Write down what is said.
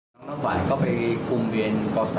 น้องหวานเขาไปคุมเวียนป๓